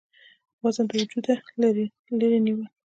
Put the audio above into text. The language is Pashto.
وزن د وجوده لرې نيول ،